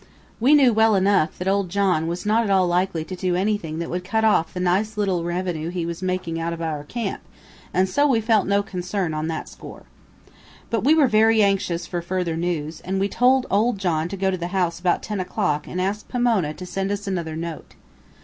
We knew well enough that old John was not at all likely to do anything that would cut off the nice little revenue he was making out of our camp, and so we felt no concern on that score. But we were very anxious for further news, and we told old John to go to the house about ten o'clock and ask Pomona to send us another note.